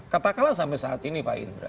katakanlah sampai saat ini pak indra